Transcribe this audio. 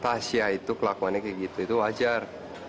tasya itu kelakuannya kayak gitu itu wajar